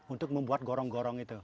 untuk membuat gorong gorong itu